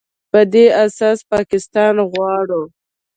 په دې اساس پاکستان غواړي